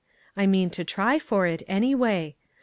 I mean to try for it, anyway.